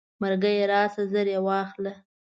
مرګیه راشه زر یې واخله.